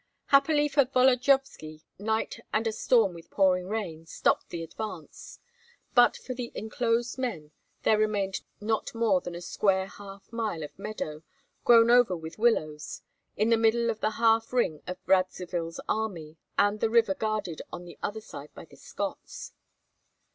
Happily for Volodyovski, night and a storm with pouring rain stopped the advance; but for the enclosed men there remained not more than a square half mile of meadow, grown over with willows, in the middle of the half ring of Radzivill's army, and the river guarded on the other side by the Scots.